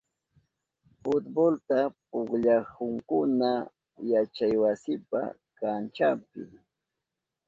Futbolta pukllahunkuna yachaywasipa kanchanpi.